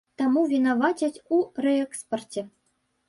Таму вінавацяць у рээкспарце.